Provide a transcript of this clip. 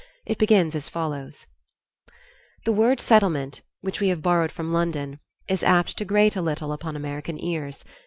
It begins as follows: The word "settlement," which we have borrowed from London, is apt to grate a little upon American ears.